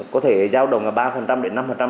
có thể giao đồng là ba